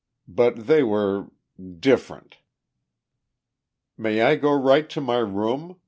But they were ... different. "May I go right to my room?"